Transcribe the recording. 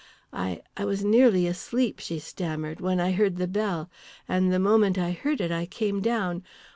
"I I was nearly asleep," she stammered, "when I heard the bell. And the moment I heard it I came down.